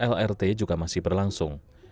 lrt juga masih berlangsung